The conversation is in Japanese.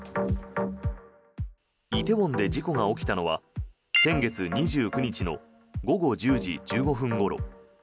梨泰院で事故が起きたのは先月２９日の午後１０時１５分ごろ。